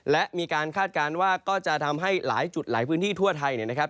และมีการคาดการณ์ว่าก็จะทำให้หลายจุดหลายพื้นที่ทั่วไทยเนี่ยนะครับ